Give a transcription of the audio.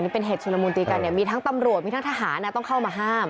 เป็นเหตุชุลมูลตีกันเนี่ยมีทั้งตำรวจมีทั้งทหารต้องเข้ามาห้าม